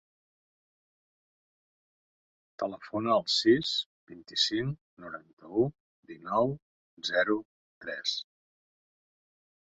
Telefona al sis, vint-i-cinc, noranta-u, dinou, zero, tres.